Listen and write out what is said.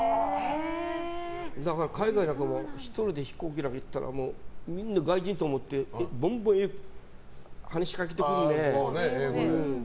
だから、海外なんかも１人で飛行機で行ったらもうみんな外国人と思ってどんどん英語で話しかけてくるね。